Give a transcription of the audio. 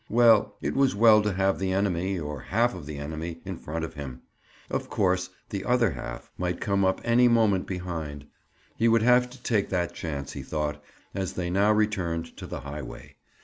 Well, it was well to have the enemy—or half of the enemy—in front of him. Of course, the other half might come up any moment behind. He would have to take that chance, he thought, as they now returned to the highway.